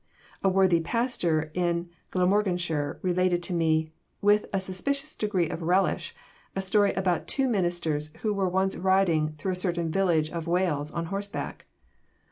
A worthy pastor in Glamorganshire related to me, with a suspicious degree of relish, a story about two ministers who were once riding through a certain village of Wales on horseback.